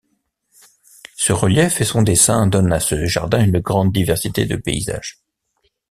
Ce relief et son dessin donnent à ce jardin une grande diversité de paysages.